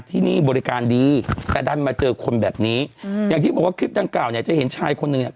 ที่นี่บริการดีแต่ดันมาเจอคนแบบนี้อืมอย่างที่บอกว่าคลิปดังกล่าวเนี่ยจะเห็นชายคนหนึ่งเนี่ย